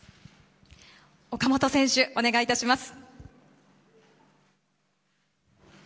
岡本選手、お願いいたします。